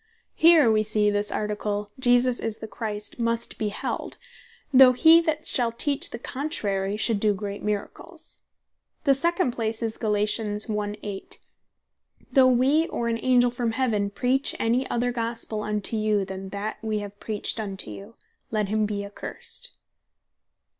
Here wee see, this Article Jesus Is The Christ, must bee held, though hee that shall teach the contrary should doe great miracles. The second place is Gal. 1. 8. "Though we, or an Angell from Heaven preach any other Gospell unto you, than that wee have preached unto you, let him bee accursed."